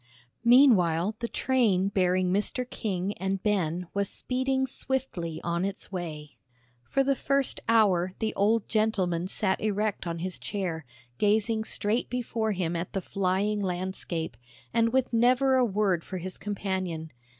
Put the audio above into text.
Meanwhile the train bearing Mr. King and Ben was speeding swiftly on its way. For the first hour the old gentleman sat erect on his chair, gazing straight before him at the flying landscape, and with never a word for his companion.